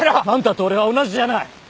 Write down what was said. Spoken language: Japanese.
あんたと俺は同じじゃない！